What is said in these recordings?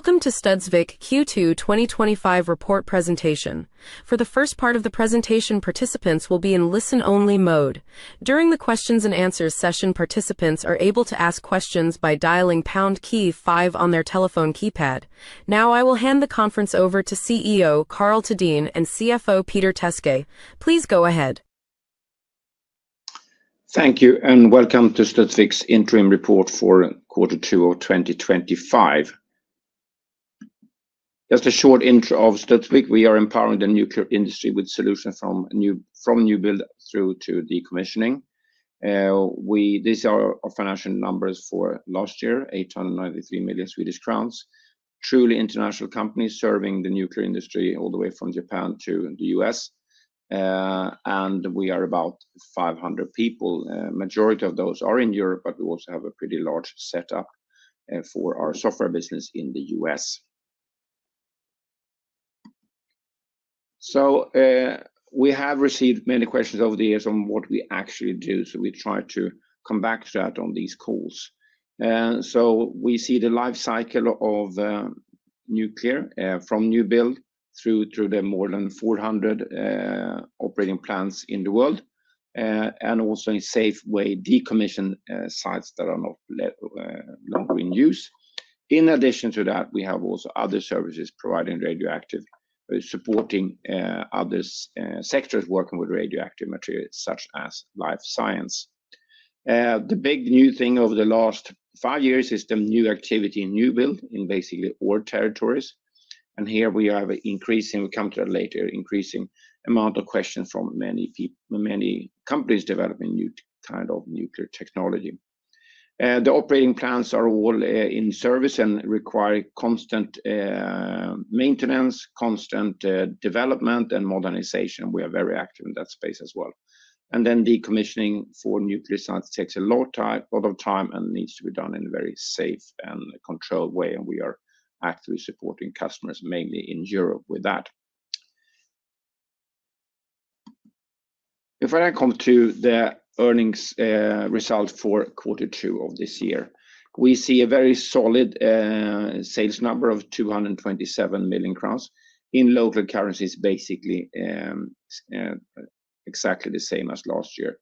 Welcome to Studsvik Q2 2025 report presentation. For the first part of the presentation, participants will be in listen-only mode. During the questions and answers session, participants are able to ask questions by dialing pound key five on their telephone keypad. Now, I will hand the conference over to CEO Karl Thedéen and CFO Peter Teske. Please go ahead. Thank you, and welcome to Studsvik's interim report for quarter two of 2025. Just a short intro of Studsvik: we are empowering the nuclear industry with solutions from new build through to decommissioning. These are our financial numbers for last year: 893 million Swedish crowns. Truly international company serving the nuclear industry all the way from Japan to the U.S. We are about 500 people. The majority of those are in Europe, but we also have a pretty large setup for our software business in the U.S. We have received many questions over the years on what we actually do, so we try to come back to that on these calls. We see the life cycle of nuclear from new build through to the more than 400 operating plants in the world, and also in a safe way decommission sites that are no longer in use. In addition to that, we have also other services providing radioactive, supporting other sectors working with radioactive materials, such as life science. The big new thing over the last five years is the new activity in new build in basically all territories. Here we have an increasing, we'll come to that later, increasing amount of questions from many people, many companies developing new kind of nuclear technology. The operating plants are all in service and require constant maintenance, constant development, and modernization. We are very active in that space as well. Decommissioning for nuclear sites takes a lot of time and needs to be done in a very safe and controlled way, and we are actively supporting customers mainly in Europe with that. If I come to the earnings results for quarter two of this year, we see a very solid sales number of 227 million crowns in local currencies, basically exactly the same as last year.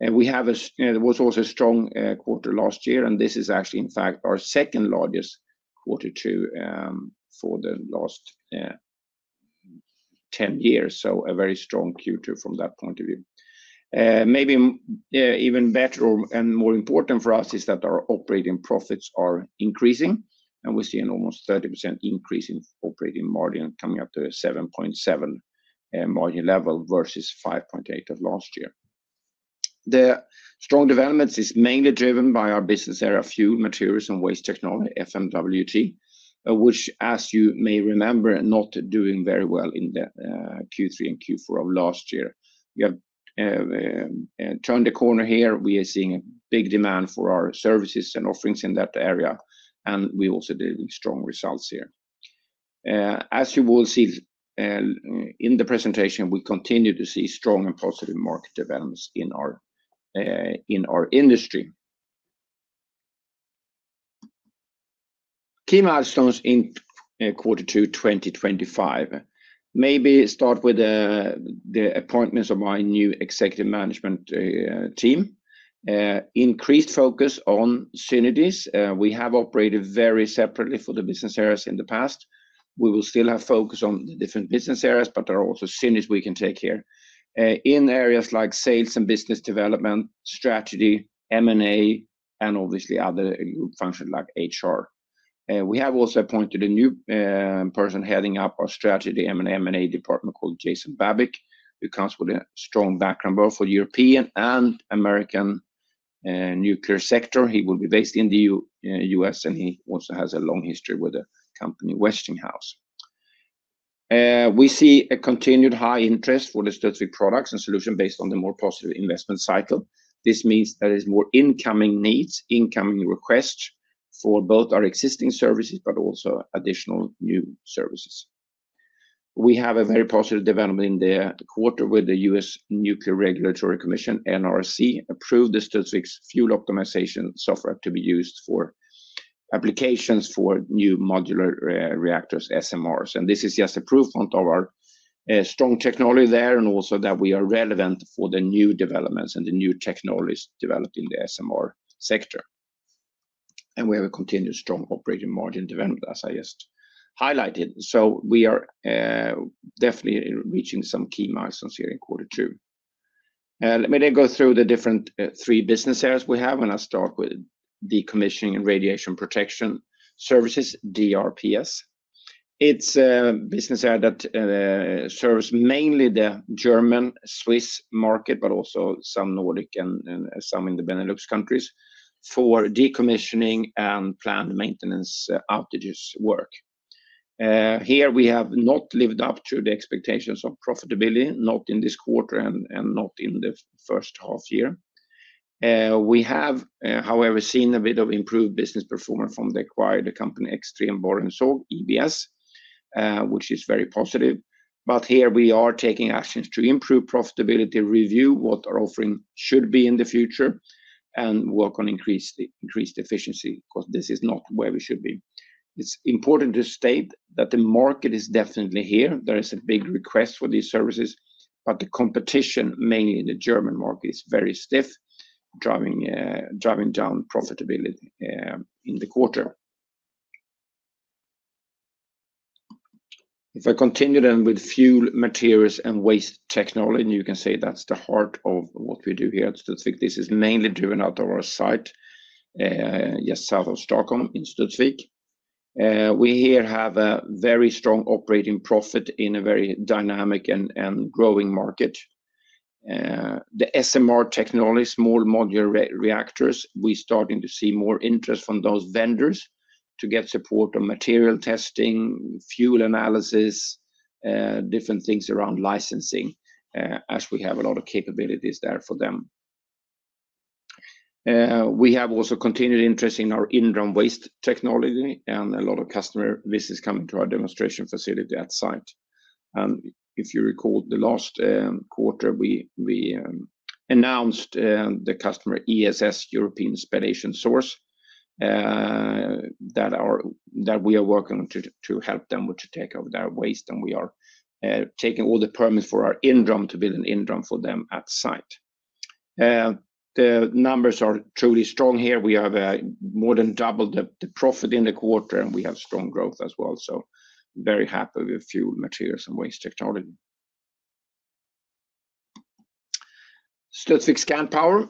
It was also a strong quarter last year, and this is actually, in fact, our second largest quarter two for the last 10 years, so a very strong Q2 from that point of view. Maybe even better and more important for us is that our operating profits are increasing, and we're seeing almost a 30% increase in operating margin, coming up to a 7.7% margin level versus 5.8% of last year. The strong developments are mainly driven by our business area of Fuel Materials and Waste Technology, FMWT, which, as you may remember, was not doing very well in Q3 and Q4 of last year. We have turned the corner here. We are seeing a big demand for our services and offerings in that area, and we also did strong results here. As you will see in the presentation, we continue to see strong and positive market developments in our industry. Key milestones in quarter two 2025. Maybe start with the appointments of my new Executive Management Team. Increased focus on synergies. We have operated very separately for the business areas in the past. We will still have focus on the different business areas, but there are also synergies we can take here. In areas like sales and business development, strategy, M&A, and obviously other functions like HR. We have also appointed a new person heading up our Strategy and M&A department called Jason Babik, who comes with a strong background both for the European and American nuclear sector. He will be based in the U.S., and he also has a long history with the company Westinghouse. We see a continued high interest for the specific products and solutions based on the more positive investment cycle. This means that there are more incoming needs, incoming requests for both our existing services, but also additional new services. We have a very positive development in the quarter where the U.S. Nuclear Regulatory Commission, NRC, approved Studsvik's fuel optimization software to be used for applications for new modular reactors, SMRs. This is just a proof of our strong technology there and also that we are relevant for the new developments and the new technologies developed in the SMR sector. We have a continued strong operating margin development, as I just highlighted. We are definitely reaching some key milestones here in quarter two. Let me go through the different three business areas we have, and I'll start with Decommissioning and Radiation Protection Services, DRPS. It's a business area that serves mainly the German, Swiss market, but also some Nordic and some in the Benelux countries for decommissioning and planned maintenance outages work. Here we have not lived up to the expectations of profitability, not in this quarter and not in the first half year. We have, however, seen a bit of improved business performance from the acquired Extrem Borr & Sågteknik, ebs, which is very positive. Here we are taking actions to improve profitability, review what our offering should be in the future, and work on increased efficiency because this is not where we should be. It's important to state that the market is definitely here. There is a big request for these services, but the competition mainly in the German market is very stiff, driving down profitability in the quarter. If I continue then with Fuel Materials and Waste Technology, you can say that's the heart of what we do here at Studsvik. This is mainly driven out of our site, just south of Stockholm in Studsvik. We here have a very strong operating profit in a very dynamic and growing market. The SMR technologies, small modular reactors, we're starting to see more interest from those vendors to get support on material testing, fuel analysis, different things around licensing as we have a lot of capabilities there for them. We have also continued interest in our in-drum waste technology, and a lot of customer visits come into our demonstration facility at site. If you recall the last quarter, we announced the customer ESS, European Spallation Source, that we are working to help them with the take of their waste, and we are taking all the permits for our in-drum to build an in-drum for them at site. The numbers are truly strong here. We have more than doubled the profit in the quarter, and we have strong growth as well. Very happy with Fuel Materials and Waste Technology. Studsvik Scandpower,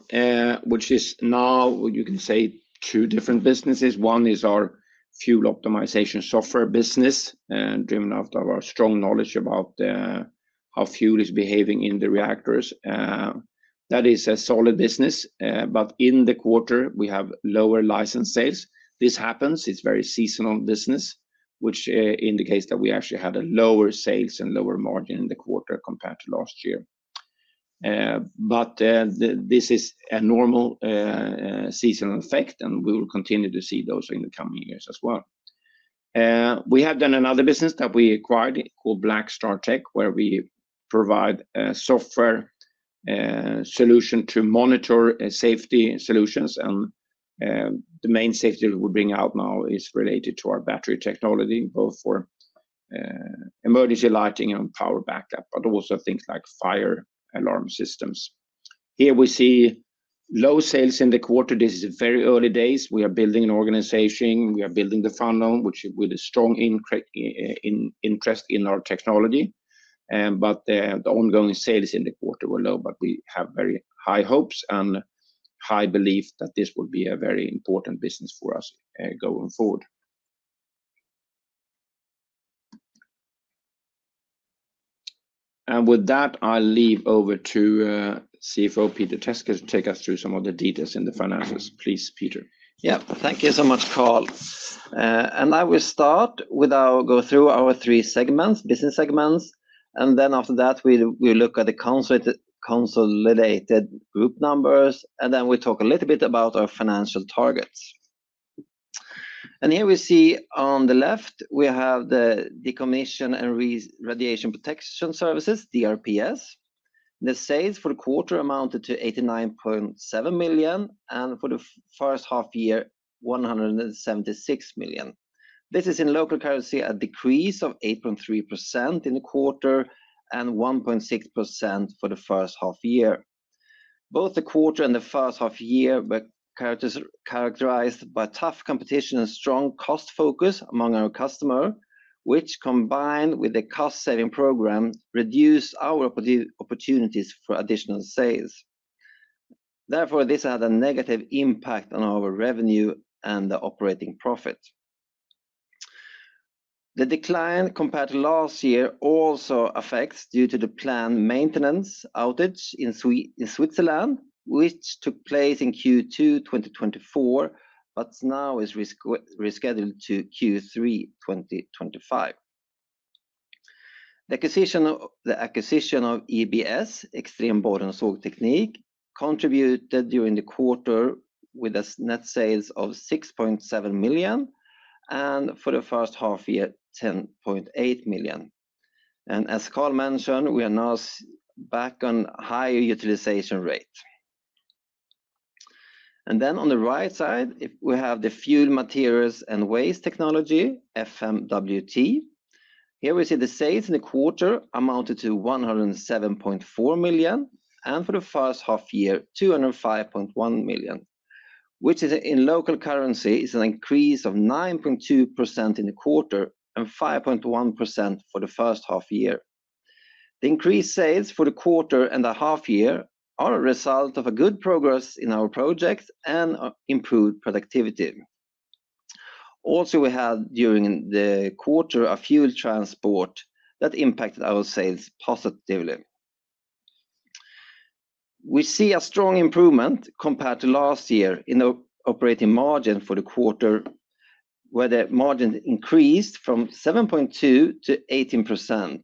which is now, you can say, two different businesses. One is our fuel optimization software business, and driven out of our strong knowledge about how fuel is behaving in the reactors. That is a solid business. In the quarter, we have lower license sales. This happens. It's a very seasonal business, which indicates that we actually had a lower sales and lower margin in the quarter compared to last year. This is a normal seasonal effect, and we will continue to see those in the coming years as well. We have done another business that we acquired called BlackStarTech, where we provide a software solution to monitor safety solutions. The main safety that we bring out now is related to our battery technology, both for emergency lighting and power backup, but also things like fire alarm systems. Here we see low sales in the quarter. This is very early days. We are building an organization. We are building the fund on, which is with a strong interest in our technology. The ongoing sales in the quarter were low, but we have very high hopes and high belief that this will be a very important business for us going forward. With that, I'll leave over to CFO Peter Teske to take us through some of the details in the financials. Please, Peter. Thank you so much, Karl. I will start with our go through our three segments, business segments. After that, we look at the consolidated group numbers, and then we talk a little bit about our financial targets. Here we see on the left, we have the Decommissioning and Radiation Protection Services, DRPS. The sales for the quarter amounted to 89.7 million, and for the first half year, 176 million. This is in local currency, a decrease of 8.3% in the quarter and 1.6% for the first half year. Both the quarter and the first half year were characterized by tough competition and strong cost focus among our customers, which combined with the cost-saving program reduced our opportunities for additional sales. This had a negative impact on our revenue and the operating profit. The decline compared to last year also affects due to the planned maintenance outage in Switzerland, which took place in Q2 2024, but now is rescheduled to Q3 2025. The acquisition of EBS, Extrem Borr & Sågteknik, contributed during the quarter with net sales of 6.7 million, and for the first half year, 10.8 million. As Karl mentioned, we are now back on a higher utilization rate. On the right side, we have the Fuel Materials and Waste Technology, FMWT. Here we see the sales in the quarter amounted to 107.4 million, and for the first half year, 205.1 million, which in local currency is an increase of 9.2% in the quarter and 5.1% for the first half year. The increased sales for the quarter and the half year are a result of good progress in our project and improved productivity. Also, we had during the quarter a fuel transport that impacted our sales positively. We see a strong improvement compared to last year in the operating margin for the quarter where the margin increased from 7.2% to 18%.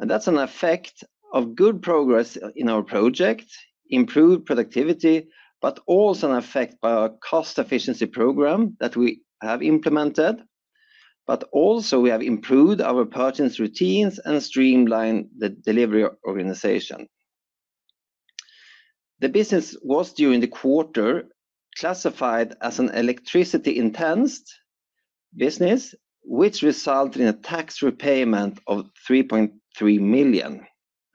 That's an effect of good progress in our project, improved productivity, but also an effect by our cost efficiency program that we have implemented. We have improved our purchase routines and streamlined the delivery organization. The business was during the quarter classified as an electricity-intensive business, which resulted in a tax repayment of 3.3 million.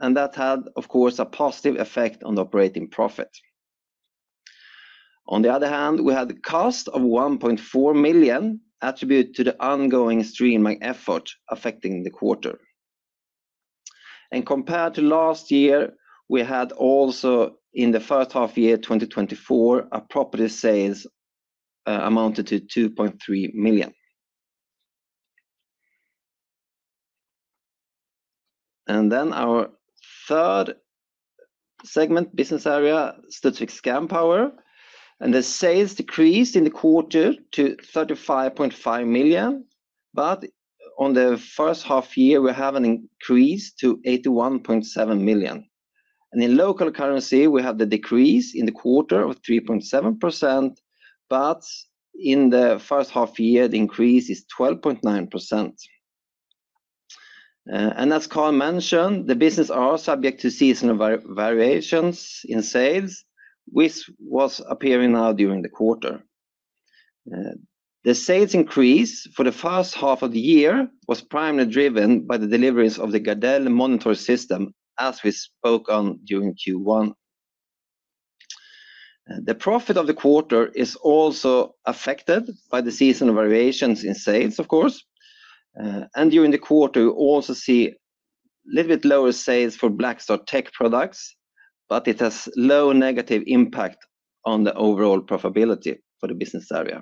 That had, of course, a positive effect on the operating profit. On the other hand, we had a cost of 1.4 million attributed to the ongoing streaming effort affecting the quarter. Compared to last year, we had also in the first half year 2024, our property sales amounted to SEK 2.3 million. Our third segment business area, Studsvik Scandpower, the sales decreased in the quarter to 35.5 million, but in the first half year, we have an increase to 81.7 million. In local currency, we have the decrease in the quarter of 3.7%, but in the first half year, the increase is 12.9%. As Karl mentioned, the business is subject to seasonal variations in sales, which was appearing now during the quarter. The sales increase for the first half of the year was primarily driven by the deliveries of the GARDEL monitor system, as we spoke on during Q1. The profit of the quarter is also affected by the seasonal variations in sales, of course. During the quarter, we also see a little bit lower sales for BlackStarTech products, but it has a low negative impact on the overall profitability for the business area.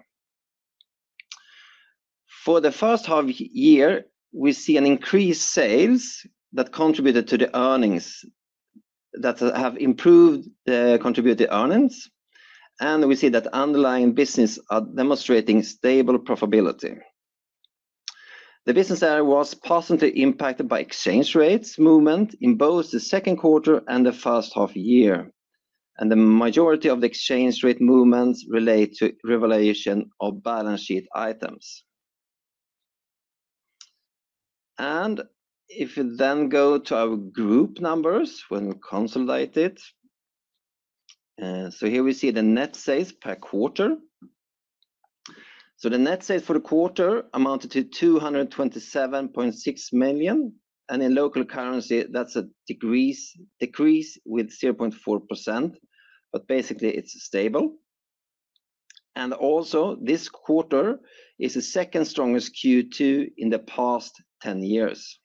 For the first half year, we see increased sales that contributed to the earnings that have improved the contributed earnings, and we see that underlying business is demonstrating stable profitability. The business area was positively impacted by exchange rates movement in both the second quarter and the first half year. The majority of the exchange rate movements relate to revaluation of balance sheet items. If we then go to our group numbers when we consolidate it, here we see the net sales per quarter. The net sales for the quarter amounted to 227.6 million, and in local currency, that's a decrease of 0.4%, but basically it's stable. This quarter is the second strongest Q2 in the past 10 years.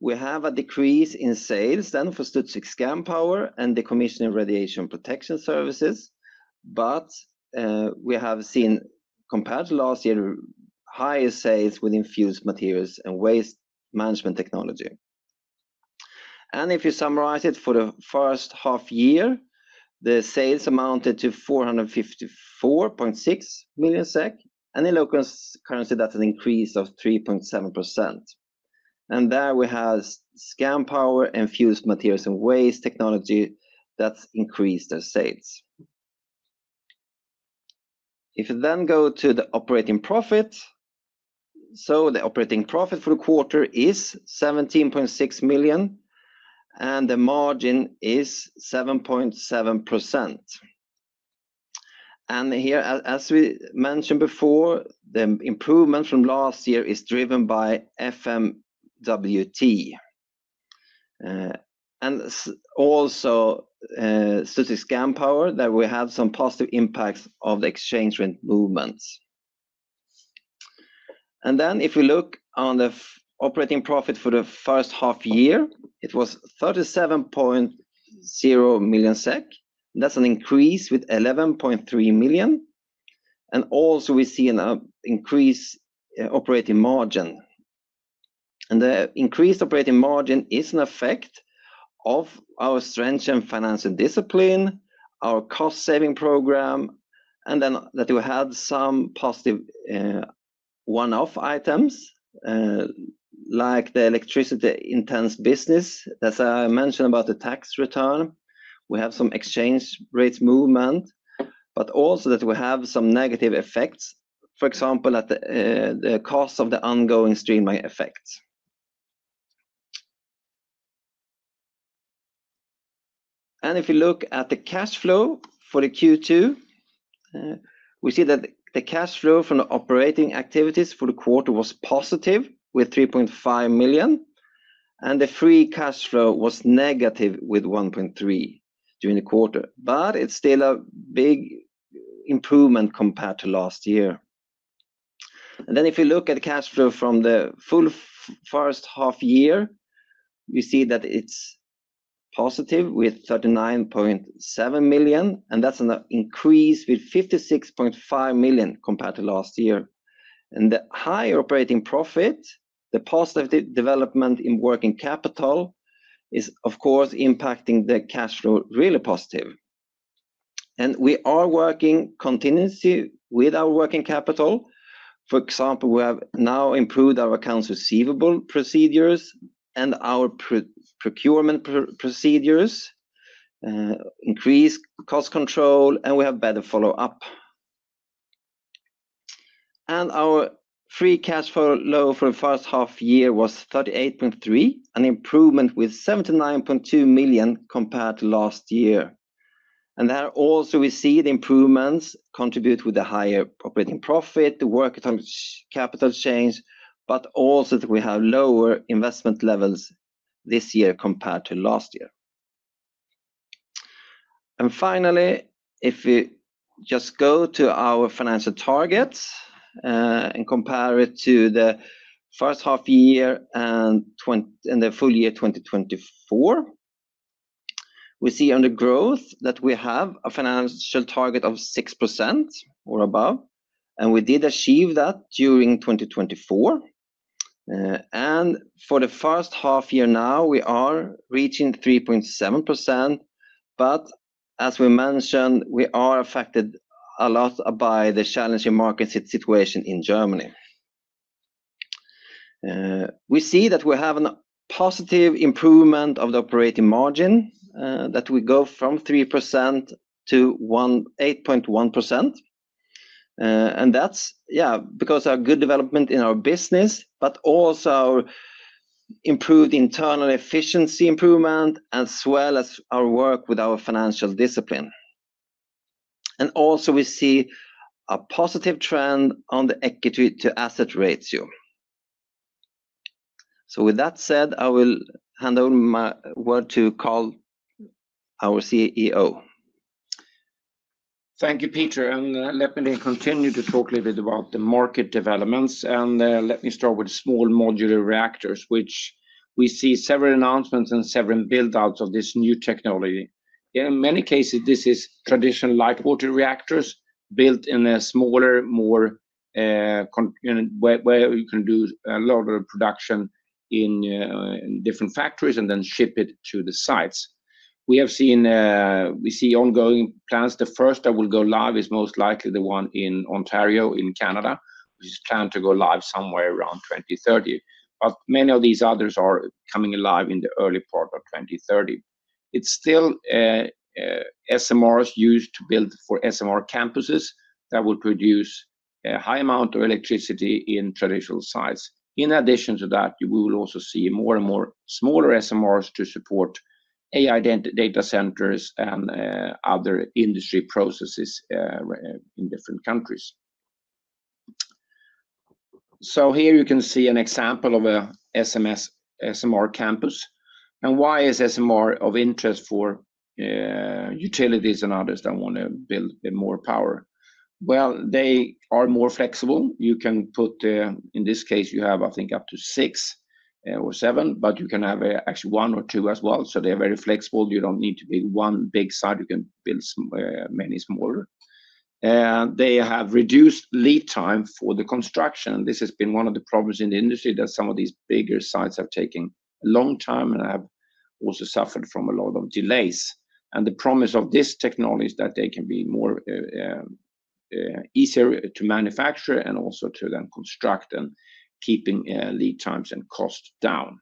We have a decrease in sales for Studsvik Scandpower and Decommissioning and Radiation Protection Services, but we have seen, compared to last year, higher sales within Fuel Materials and Waste Technology. If you summarize it for the first half year, the sales amounted to 454.6 million SEK, and in local currency, that's an increase of 3.7%. There we have Scandpower and Fuel Materials and Waste Technology that increased their sales. If we then go to the operating profit, the operating profit for the quarter is 17.6 million, and the margin is 7.7%. As we mentioned before, the improvement from last year is driven by FMWT. Studsvik Scandpower, we have some positive impacts of the exchange rate movements. If we look at the operating profit for the first half year, it was 37.0 million SEK. That's an increase of 11.3 million. We see an increased operating margin. The increased operating margin is an effect of our strengthened financial discipline, our cost-saving program, and some positive one-off items, like the tax repayment for electricity-intensive businesses that I mentioned. We have some exchange rate movement, but also some negative effects, for example, at the cost of the ongoing streaming effects. If we look at the cash flow for Q2, the cash flow from operating activities for the quarter was positive at 3.5 million, and the free cash flow was negative at 1.3 million during the quarter, but it's still a big improvement compared to last year. If we look at the cash flow for the full first half year, it's positive at 39.7 million, and that's an increase of 56.5 million compared to last year. The higher operating profit and the positive development in working capital are, of course, impacting the cash flow really positively. We are working continuously with our working capital. For example, we have now improved our accounts receivable procedures and our procurement procedures, increased cost control, and we have better follow-up. Our free cash flow for the first half year was 38.3 million, an improvement of 79.2 million compared to last year. There also, we see the improvements contribute with the higher operating profit, the working capital change, and lower investment levels this year compared to last year. Finally, if we go to our financial targets and compare the first half year and the full year 2024, under growth we have a financial target of 6% or above, and we did achieve that during 2024. For the first half year now, we are reaching 3.7%, but as we mentioned, we are affected a lot by the challenging market situation in Germany. We see a positive improvement of the operating margin that we go from 3% to 8.1%. That's because of our good development in our business, our improved internal efficiency improvement, as well as our work with our financial discipline. We also see a positive trend on the equity to asset ratio. With that said, I will hand over my word to Karl, our CEO. Thank you, Peter. Let me then continue to talk a little bit about the market developments. Let me start with small modular reactors, which we see several announcements and several build-outs of this new technology. In many cases, this is traditional light water reactors built in a smaller, more where you can do a lot of production in different factories and then ship it to the sites. We have seen, we see ongoing plans. The first that will go live is most likely the one in Ontario in Canada, which is planned to go live somewhere around 2030. Many of these others are coming alive in the early part of 2030. It's still SMRs used to build for SMR campuses that will produce a high amount of electricity in traditional sites. In addition to that, we will also see more and more smaller SMRs to support AI data centers and other industry processes in different countries. Here you can see an example of an SMR campus. Why is SMR of interest for utilities and others that want to build more power? They are more flexible. You can put, in this case, you have, I think, up to six or seven, but you can have actually one or two as well. They're very flexible. You don't need to build one big site. You can build many smaller. They have reduced lead time for the construction. This has been one of the problems in the industry that some of these bigger sites have taken a long time and have also suffered from a lot of delays. The promise of this technology is that they can be more easier to manufacture and also to then construct and keeping lead times and costs down.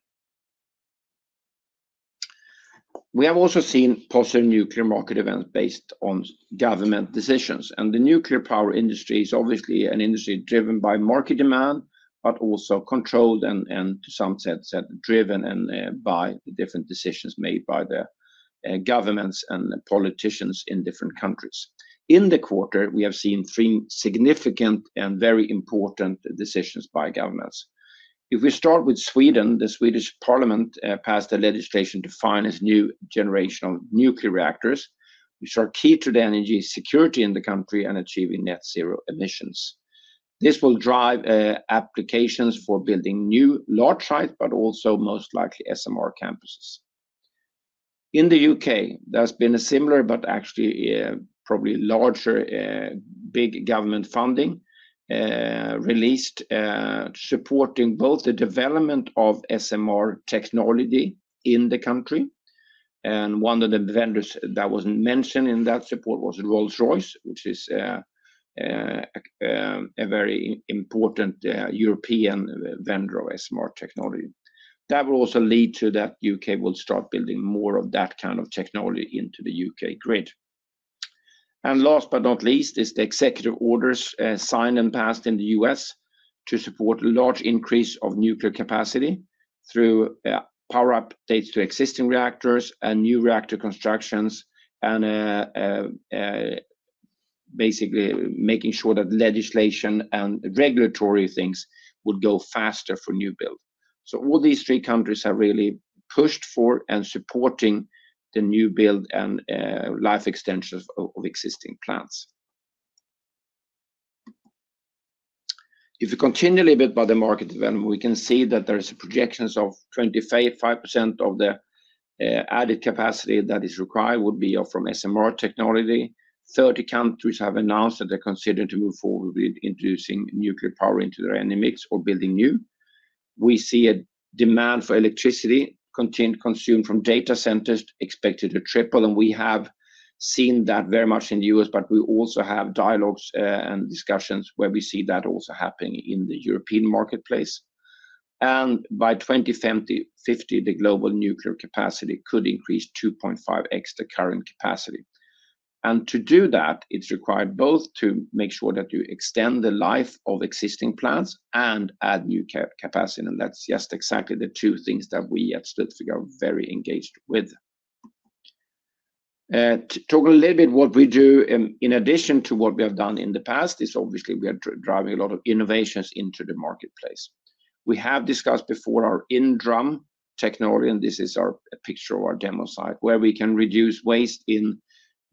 We have also seen positive nuclear market events based on government decisions. The nuclear power industry is obviously an industry driven by market demand, but also controlled and, to some extent, driven by different decisions made by the governments and politicians in different countries. In the quarter, we have seen three significant and very important decisions by governments. If we start with Sweden, the Swedish parliament passed a legislation to finance new generation of nuclear reactors, which are key to the energy security in the country and achieving net zero emissions. This will drive applications for building new large sites, but also most likely SMR campuses. In the U.K., there's been a similar, but actually probably larger, big government funding released supporting both the development of SMR technology in the country. One of the vendors that was mentioned in that support was Rolls-Royce, which is a very important European vendor of SMR technology. That will also lead to the U.K. starting to build more of that kind of technology into the U.K. grid. Last but not least, the executive orders signed and passed in the U.S. support a large increase of nuclear capacity through power updates to existing reactors and new reactor constructions, basically making sure that legislation and regulatory things would go faster for new build. All these three countries are really pushing for and supporting the new build and life extensions of existing plants. If we continue a little bit by the market development, we can see that there are projections of 25% of the added capacity that is required would be from SMR technology. Thirty countries have announced that they're considering moving forward with introducing nuclear power into their NMX or building new. We see a demand for electricity continued consumed from data centers expected to triple, and we have seen that very much in the U.S., but we also have dialogues and discussions where we see that also happening in the European marketplace. By 2050, the global nuclear capacity could increase 2.5x the current capacity. To do that, it's required both to make sure that you extend the life of existing plants and add new capacity. That's just exactly the two things that we at Studsvik are very engaged with. Talking a little bit about what we do in addition to what we have done in the past is obviously we are driving a lot of innovations into the marketplace. We have discussed before our in-drum technology, and this is a picture of our demo site where we can reduce waste in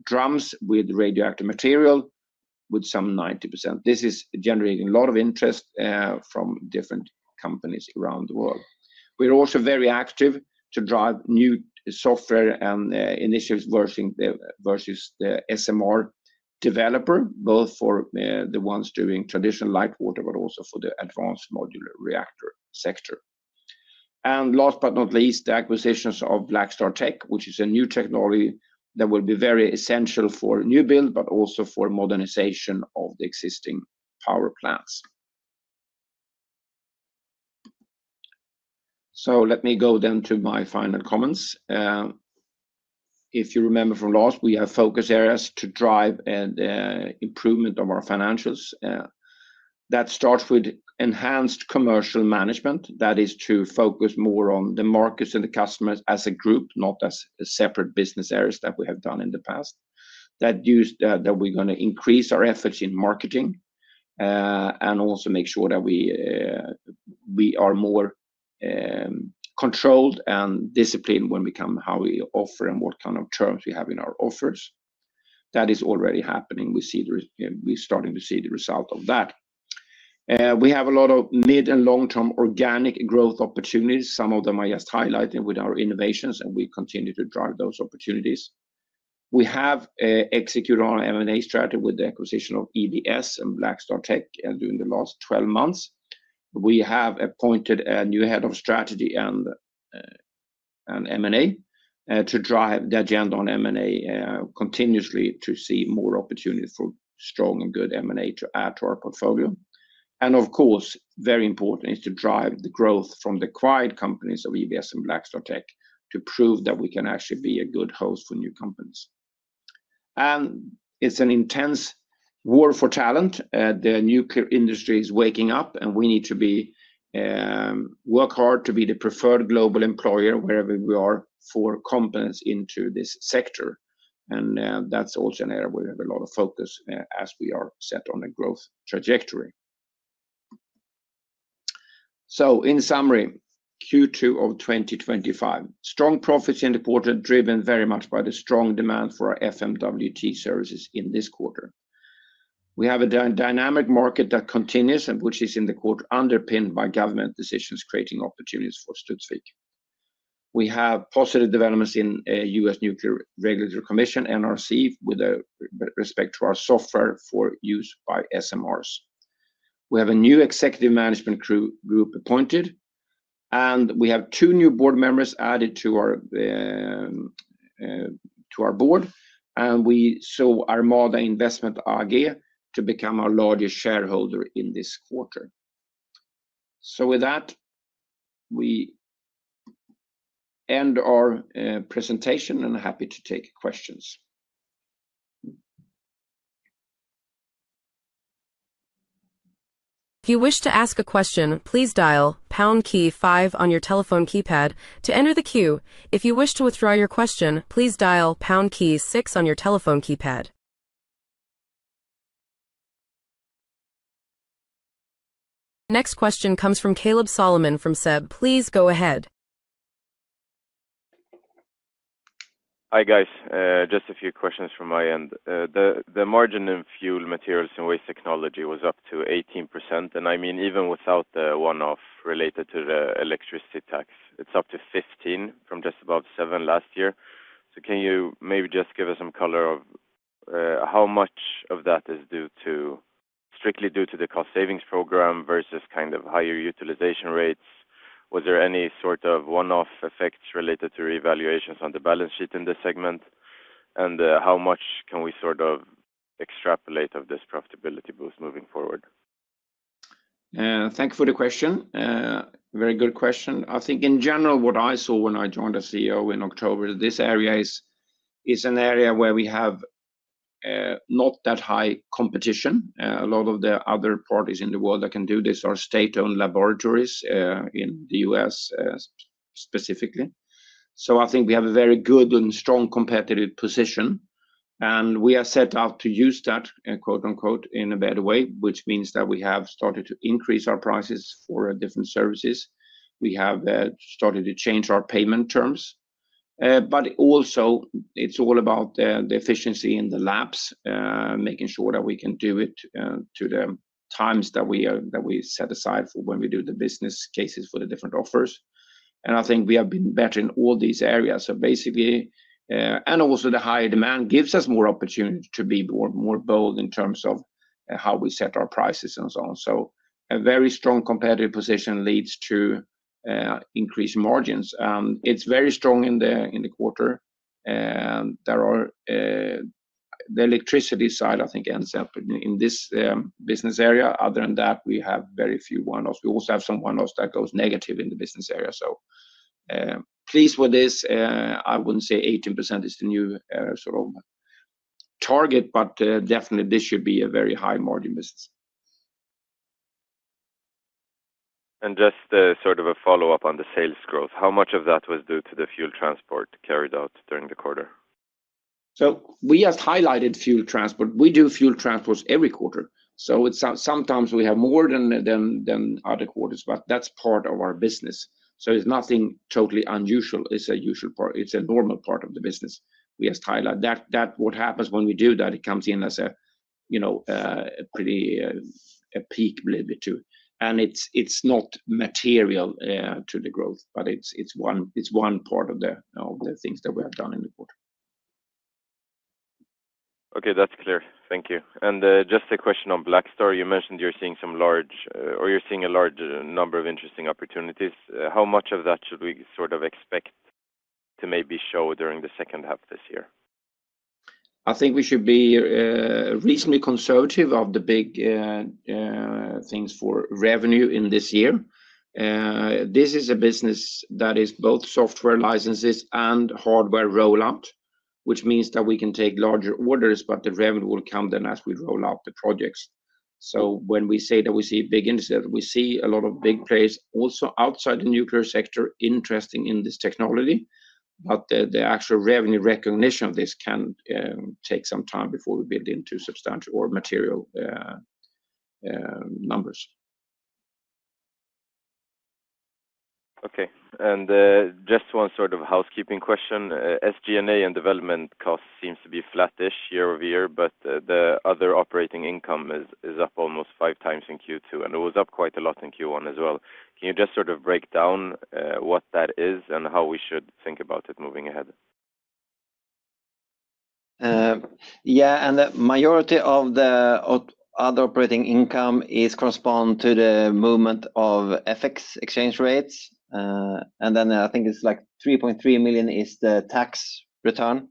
drums with radioactive material with some 90%. This is generating a lot of interest from different companies around the world. We're also very active to drive new software and initiatives versus the SMR developer, both for the ones doing traditional light water, but also for the advanced modular reactor sector. Last but not least, the acquisitions of BlackStarTech, which is a new technology that will be very essential for new build, but also for modernization of the existing power plants. Let me go then to my final comments. If you remember from last, we have focus areas to drive and improvement of our financials. That starts with enhanced commercial management. That is to focus more on the markets and the customers as a group, not as separate business areas that we have done in the past. That we're going to increase our efforts in marketing and also make sure that we are more controlled and disciplined when we come how we offer and what kind of terms we have in our offers. That is already happening. We're starting to see the result of that. We have a lot of mid and long-term organic growth opportunities. Some of them I just highlighted with our innovations, and we continue to drive those opportunities. We have executed on our M&A strategy EBS and BlackStarTech during the last 12 months. We have appointed a new Head of Strategy and M&A to drive the agenda on M&A continuously to see more opportunities for strong and good M&A to add to our portfolio. Of course, very important is to drive the growth from the acquired companies of EBS and BlackStarTech to prove that we can actually be a good host for new companies. It's an intense war for talent. The nuclear industry is waking up, and we need to work hard to be the preferred global employer wherever we are for companies into this sector. That's also an area where we have a lot of focus as we are set on a growth trajectory. In summary, Q2 of 2025, strong profits in the quarter driven very much by the strong demand for our FMWT services in this quarter. We have a dynamic market that continues, and which is in the quarter underpinned by government decisions creating opportunities for Studsvik. We have positive developments in the U.S. Nuclear Regulatory Commission (NRC) with respect to our software for use by SMRs. We have a new executive management group appointed, and we have two new board members added to our board, and we saw ARMADA Investment AG become our largest shareholder in this quarter. With that, we end our presentation and are happy to take questions. If you wish to ask a question, please dial pound key five on your telephone keypad to enter the queue. If you wish to withdraw your question, please dial pound key six on your telephone keypad. Next question comes from Kaleb Solomon from SEB. Please go ahead. Hi guys, just a few questions from my end. The margin in Fuel Materials and Waste Technology was up to 18%, and I mean even without the one-off related to the electricity tax, it's up to 15% from just above 7% last year. Can you maybe just give us some color of how much of that is strictly due to the cost savings program versus kind of higher utilization rates? Was there any sort of one-off effect related to reevaluations on the balance sheet in this segment? How much can we sort of extrapolate of this profitability boost moving forward? Thank you for the question. Very good question. I think in general what I saw when I joined as CEO in October, this area is an area where we have not that high competition. A lot of the other parties in the world that can do this are state-owned laboratories in the U.S. specifically. I think we have a very good and strong competitive position, and we are set out to use that, quote unquote, in a better way, which means that we have started to increase our prices for different services. We have started to change our payment terms. Also, it's all about the efficiency in the labs, making sure that we can do it to the times that we set aside for when we do the business cases for the different offers. I think we have been better in all these areas. Basically, the higher demand gives us more opportunity to be more bold in terms of how we set our prices and so on. A very strong competitive position leads to increased margins. It's very strong in the quarter. The electricity side, I think, ends up in this business area. Other than that, we have very few one-offs. We also have some one-offs that go negative in the business area. For this, I wouldn't say 18% is the new sort of target, but definitely this should be a very high margin business. Just sort of a follow-up on the sales growth, how much of that was due to the fuel transport carried out during the quarter? We just highlighted fuel transport. We do fuel transports every quarter. Sometimes we have more than other quarters, but that's part of our business. It's nothing totally unusual. It's a usual part. It's a normal part of the business. We just highlight that what happens when we do that, it comes in as a pretty peak a little bit too. It's not material to the growth, but it's one part of the things that we have done in the quarter. Okay, that's clear. Thank you. Just a question on BlackStar, you mentioned you're seeing a large number of interesting opportunities. How much of that should we sort of expect to maybe show during the second half of this year? I think we should be reasonably conservative of the big things for revenue in this year. This is a business that is both software licenses and hardware rollout, which means that we can take larger orders, but the revenue will come as we roll out the projects. When we say that we see big indices, we see a lot of big players also outside the nuclear sector interested in this technology. The actual revenue recognition of this can take some time before we build into substantial or material numbers. Okay. Just one sort of housekeeping question. SG&A and development costs seem to be flattish year-over-year, but the other operating income is up almost five times in Q2, and it was up quite a lot in Q1 as well. Can you just sort of break down what that is and how we should think about it moving ahead? Yeah, the majority of the other operating income corresponds to the movement of FX exchange rates. I think it's 3.3 million is the tax return.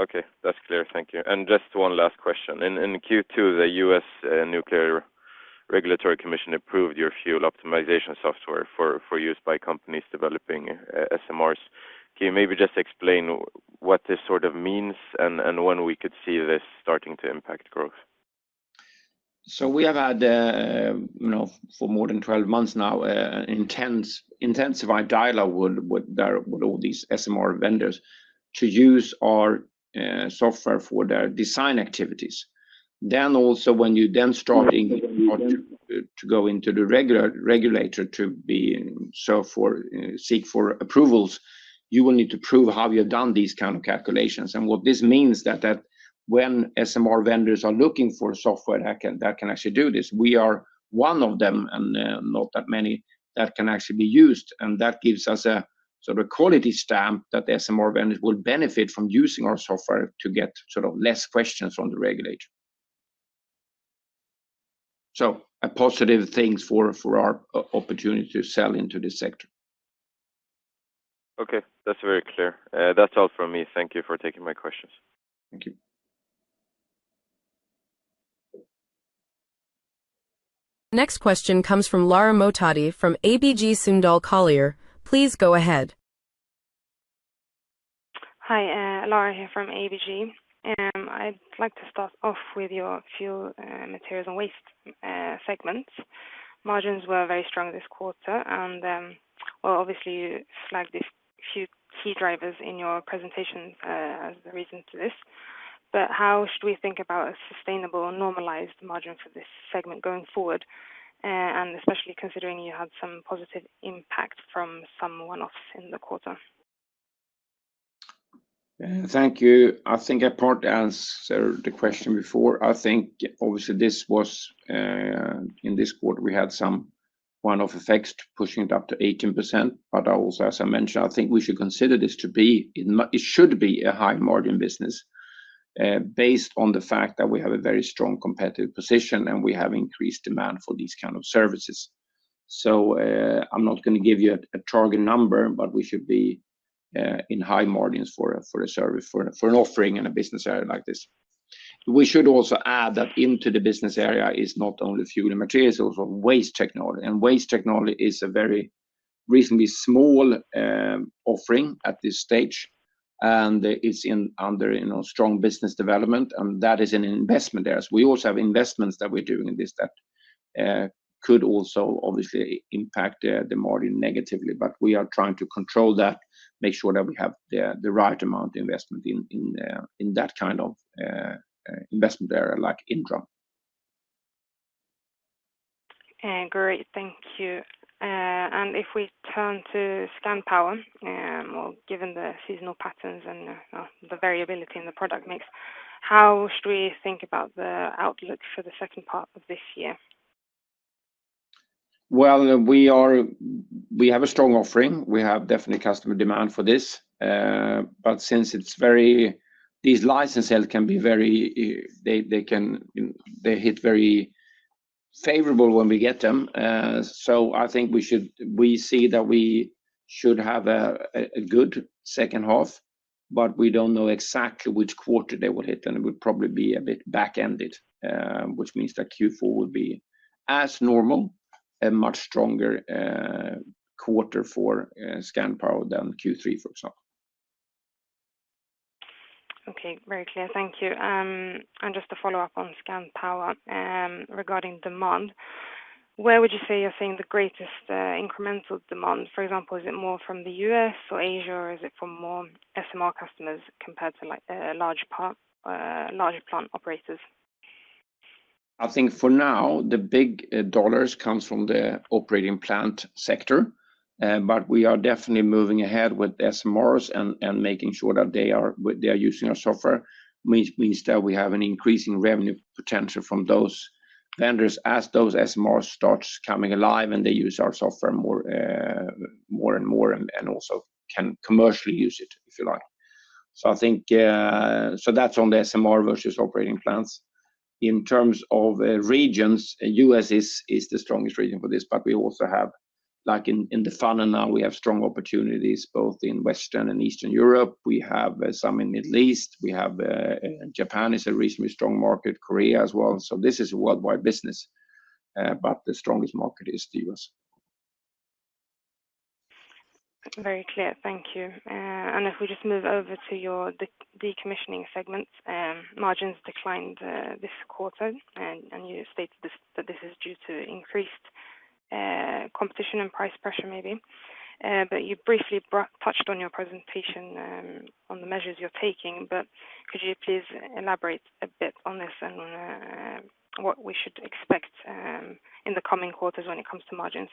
Okay, that's clear. Thank you. Just one last question. In Q2, the U.S. Nuclear Regulatory Commission approved your fuel optimization software for use by companies developing SMRs. Can you maybe just explain what this sort of means and when we could see this starting to impact growth? We have had, you know, for more than 12 months now, an intensified dialogue with all these SMR vendors to use our software for their design activities. When you start to go into the regular regulator to be in search for approvals, you will need to prove how you've done these kinds of calculations. What this means is that when SMR vendors are looking for software that can actually do this, we are one of them, and not that many, that can actually be used. That gives us a sort of quality stamp that the SMR vendors will benefit from using our software to get sort of less questions from the regulator. Positive things for our opportunity to sell into this sector. Okay, that's very clear. That's all from me. Thank you for taking my questions. Next question comes from Lara Mohtadi from ABG Sundal Collier. Please go ahead. Hi, Lara here from ABG. I'd like to start off with your Fuel Materials and Waste segments. Margins were very strong this quarter, and obviously you flagged a few key drivers in your presentation as the reason for this. How should we think about a sustainable normalized margin for this segment going forward, especially considering you had some positive impact from some one-offs in the quarter? Thank you. I think I partly answered the question before. I think obviously this was in this quarter we had some one-off effects pushing it up to 18%, but also, as I mentioned, I think we should consider this to be, it should be a high margin business based on the fact that we have a very strong competitive position and we have increased demand for these kinds of services. I'm not going to give you a target number, but we should be in high margins for a service, for an offering in a business area like this. We should also add that into the business area is not only fuel and materials, but waste technology. Waste technology is a very reasonably small offering at this stage, and it's under strong business development, and that is an investment there. We also have investments that we're doing in this that could also obviously impact the margin negatively, but we are trying to control that, make sure that we have the right amount of investment in that kind of investment area like in drum. Great, thank you. If we turn to Scandpower, given the seasonal patterns and the variability in the product mix, how should we think about the outlook for the second part of this year? We have a strong offering. We definitely have customer demand for this. These license sales can be very, they can hit very favorable when we get them. I think we see that we should have a good second half, but we don't know exactly which quarter they will hit, and it would probably be a bit back ended, which means that Q4 would be, as normal, a much stronger quarter for Scandpower than Q3, for example. Okay, very clear. Thank you. Just to follow up on Scandpower regarding demand, where would you say you're seeing the greatest incremental demand? For example, is it more from the U.S. or Asia, or is it from more SMR customers compared to larger plant operators? I think for now, the big dollars come from the operating plant sector, but we are definitely moving ahead with SMRs and making sure that they are using our software, which means that we have an increasing revenue potential from those vendors as those SMRs start coming alive and they use our software more and more and also can commercially use it, if you like. I think that's on the SMR versus operating plants. In terms of regions, the U.S. is the strongest region for this, but we also have, like in the fund and now, we have strong opportunities both in Western and Eastern Europe. We have some in the Middle East. We have Japan as a reasonably strong market, Korea as well. This is a worldwide business, but the strongest market is the U.S. Very clear. Thank you. If we just move over to your decommissioning segment, margins declined this quarter, and you stated that this is due to increased competition and price pressure maybe. You briefly touched on your presentation on the measures you're taking. Could you please elaborate a bit on this and on what we should expect in the coming quarters when it comes to margins?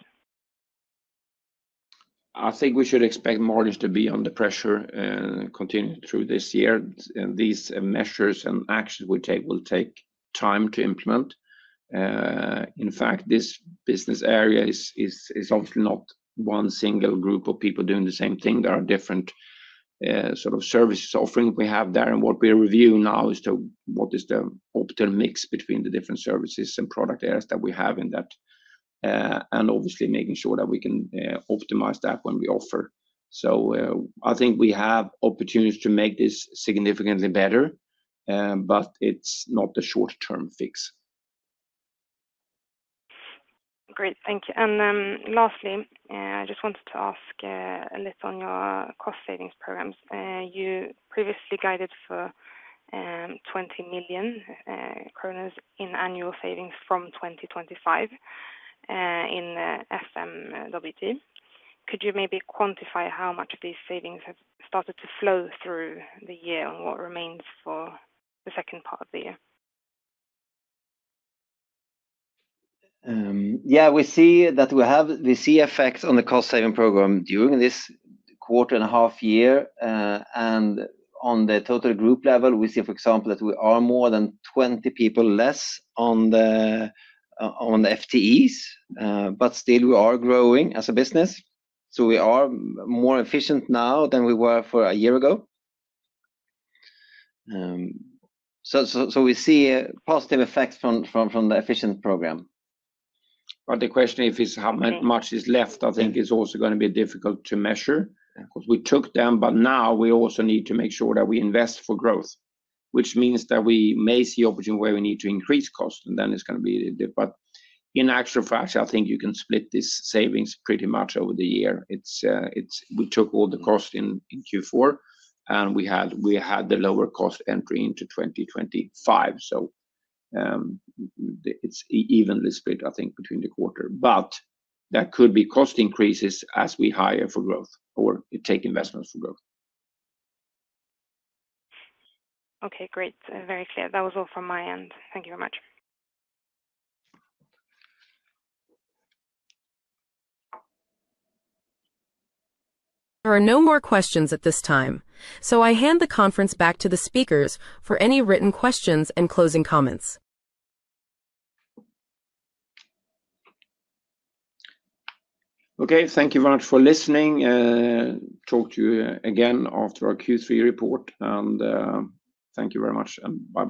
I think we should expect margins to be under pressure continuing through this year, and these measures and actions we take will take time to implement. In fact, this business area is obviously not one single group of people doing the same thing. There are different sort of services offerings we have there, and what we review now is what is the optimal mix between the different services and product areas that we have in that, obviously making sure that we can optimize that when we offer. I think we have opportunities to make this significantly better, but it's not the short-term fix. Great, thank you. Lastly, I just wanted to ask a little on your cost savings programs. You previously guided for 20 million kronor in annual savings from 2025 in the FMWT. Could you maybe quantify how much of these savings have started to flow through the year and what remains for the second part of the year? Yeah, we see that we have the CFX on the cost saving program during this quarter and a half year. On the total group level, we see, for example, that we are more than 20 people less on the FTEs, but still we are growing as a business. We are more efficient now than we were a year ago. We see positive effects from the efficient program. The question is how much is left. I think it's also going to be difficult to measure. We took them, but now we also need to make sure that we invest for growth, which means that we may see opportunities where we need to increase costs, and then it's going to be a little bit. In actual fact, I think you can split these savings pretty much over the year. We took all the costs in Q4, and we had the lower cost entry into 2025. It's evenly split, I think, between the quarter. There could be cost increases as we hire for growth or take investments for growth. Okay, great. Very clear. That was all from my end. Thank you very much. There are no more questions at this time. I hand the conference back to the speakers for any written questions and closing comments. Okay, thank you very much for listening. Talk to you again after our Q3 report, and thank you very much, and bye.